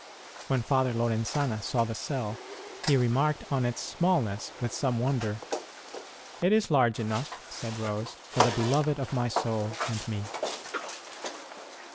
When Father Lorenzana saw the cell he remarked on its smallness with some wonder. It is large enough, said Rose, for the Beloved of my soul and me.